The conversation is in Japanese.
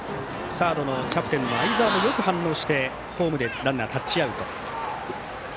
サード、キャプテンの相澤がよく反応してホームでランナー、タッチアウト。